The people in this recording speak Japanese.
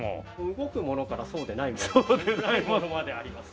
動くものからそうでないものまであります。